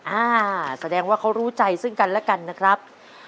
อ่าแสดงว่าเขารู้ใจซึ่งกันและกันนะครับ